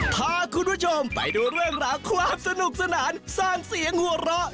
พาคุณผู้ชมไปดูเรื่องราวความสนุกสนานสร้างเสียงหัวเราะ